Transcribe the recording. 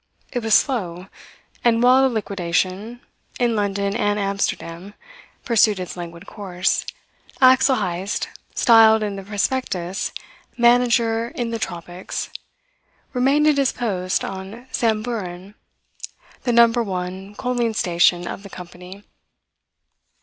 It was slow; and while the liquidation in London and Amsterdam pursued its languid course, Axel Heyst, styled in the prospectus "manager in the tropics," remained at his post on Samburan, the No. 1 coaling station of the company.